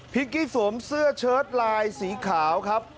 พิ้งกี้สวมเสื้อเชิร์ตไลน์สีขาวครับ